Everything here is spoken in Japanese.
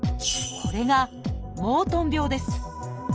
これが「モートン病」です。